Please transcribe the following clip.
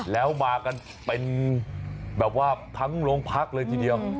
แล้วมากันเป็นแบบว่าทั้งโรงพักเลยทีเดียว